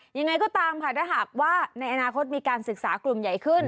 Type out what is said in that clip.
ยังไงก็ตามค่ะถ้าหากว่าในอนาคตมีการศึกษากลุ่มใหญ่ขึ้น